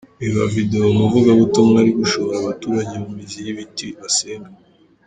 Reba video umuvugabutumwa ari gushora abaturage mu mizi y’ibiti basenga.